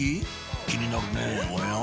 気になるねおや？